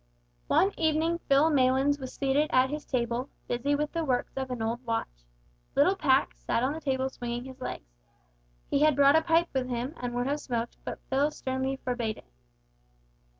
One evening Phil Maylands was seated at his table, busy with the works of an old watch. Little Pax sat on the table swinging his legs. He had brought a pipe with him, and would have smoked, but Phil sternly forbade it.